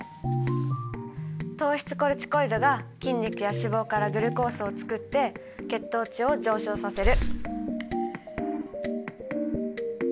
糖質コルチコイドが筋肉や脂肪からグルコースを作って血糖値を上昇させる。